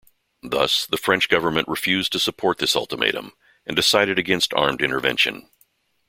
Thus, the French government refused to support this ultimatum and decided against armed intervention.